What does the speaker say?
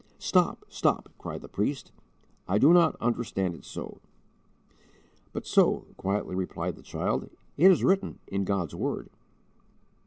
"Stop! stop!" cried the priest, "I do not understand it so." "But so," quietly replied the child, "it is written in God's word."